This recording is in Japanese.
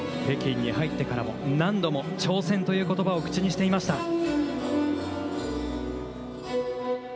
北京に入ってからも何度も挑戦という言葉を口にしていました。